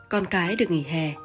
con cái được nghỉ hè